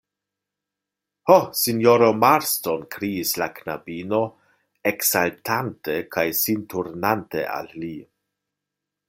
Ho, sinjoro Marston, kriis la knabino, eksaltante kaj sin turnante al li.